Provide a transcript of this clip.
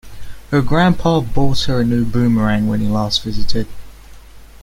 Her grandpa bought her a new boomerang when he last visited.